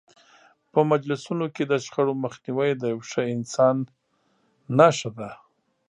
په مجلسونو کې د شخړو مخنیوی د یو ښه انسان نښه ده.